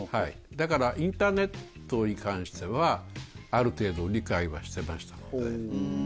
だからインターネットに関してはある程度理解はしてましたので。